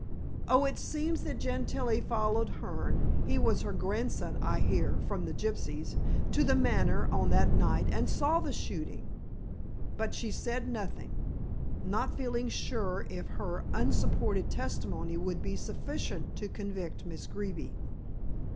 "Oh, it seems that Gentilla followed Hearne he was her grandson I hear from the gypsies to The Manor on that night and saw the shooting. But she said nothing, not feeling sure if her unsupported testimony would be sufficient to convict Miss Greeby.